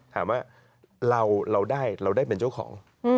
ถามว่าเราได้เราได้เป็นเจ้าของ